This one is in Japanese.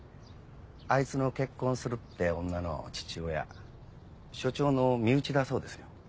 アイツの結婚するって女の父親署長の身内だそうですよ。